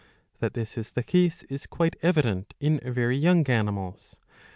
That this is the case is quite evident in very young animals.